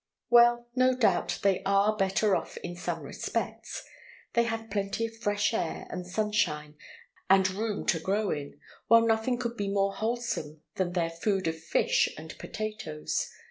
Well, no doubt they are better off in some respects. They have plenty of fresh air and sunshine, and room to grow in, while nothing could be more wholesome than their food of fish and potatoes.